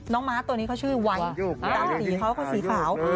น้องม้าตัวนี้เขาชื่อไวตั้งสีเขาเขาสีขาว